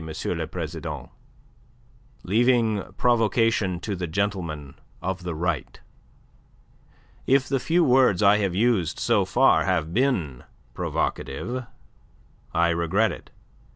le President, leaving provocation to the gentlemen of the Right. If the few words I have used so far have been provocative, I regret it.